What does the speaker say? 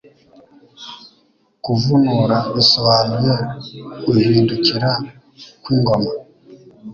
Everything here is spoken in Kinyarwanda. Kuvunura bisobanuye Guhindukira kw'ingoma